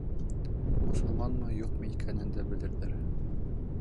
Мосолманмы, юҡмы икәнен дә белерҙәр.